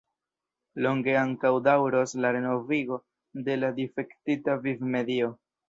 Longe ankaŭ daŭros la renovigo de la difektita vivmedio.